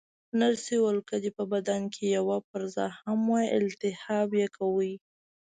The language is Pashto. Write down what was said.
نرسې وویل: که دې په بدن کې یوه پرزه هم وای، التهاب یې کاوه.